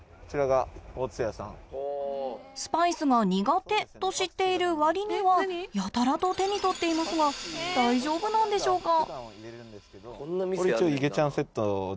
スパイスが苦手と知っている割にはやたらと手に取っていますが大丈夫なんでしょうか？